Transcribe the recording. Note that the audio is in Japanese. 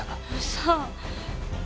さあ。